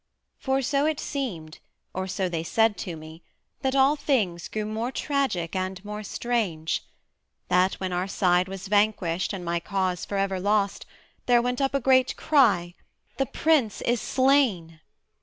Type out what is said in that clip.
For so it seemed, or so they said to me, That all things grew more tragic and more strange; That when our side was vanquished and my cause For ever lost, there went up a great cry, The Prince is slain.